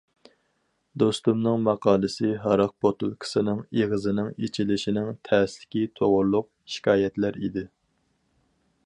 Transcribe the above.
دوستۇمنىڭ ماقالىسى ھاراق بوتۇلكىسىنىڭ ئېغىزىنىڭ ئېچىلىشىنىڭ تەسلىكى توغرۇلۇق شىكايەتلەر ئىدى.